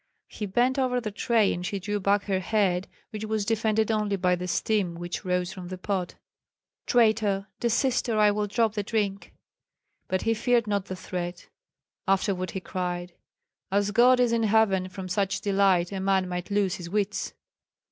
He bent over the tray, and she drew back her head, which was defended only by the steam which rose from the pot. "Traitor! desist, or I will drop the drink." But he feared not the threat; afterward he cried, "As God is in heaven, from such delight a man might lose his wits!"